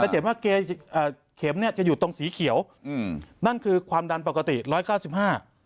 จะเห็นว่าเกอ่าเข็มเนี้ยจะอยู่ตรงสีเขียวอืมนั่นคือความดันปกติร้อยเก้าสิบห้า